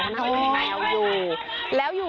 นั่งกับแมวอยู่